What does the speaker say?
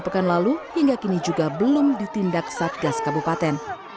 dengan pekan lalu hingga kini juga belum ditindak saat gas kabupaten